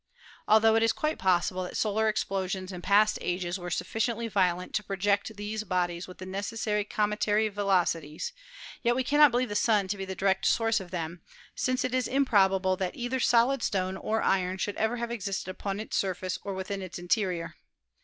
Altho it is quite pos sible that solar explosions in past ages were sufficiently violent to project these bodies with the necessary cometary velocities, yet we cannot believe the Sun to be the direct source of them, since it is improbable that either solid stone or iron should ever have existed upon its surface or within its interior.